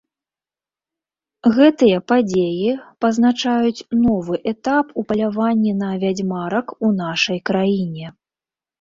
Гэтыя падзеі пазначаюць новы этап у паляванні на вядзьмарак у нашай краіне.